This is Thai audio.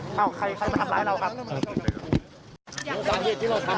ที่เราทำเพราะอะไรเนี่ย